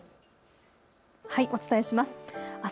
お伝えします。